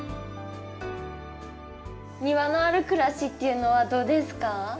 庭のある暮らしっていうのはどうですか？